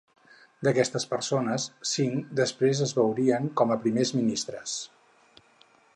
D'aquestes persones cinc després es veurien com a primers ministres.